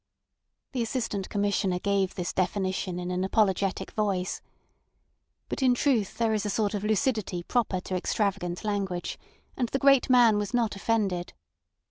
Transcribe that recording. The Assistant Commissioner gave this definition in an apologetic voice. But in truth there is a sort of lucidity proper to extravagant language, and the great man was not offended.